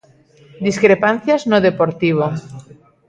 Discrepancias no Deportivo.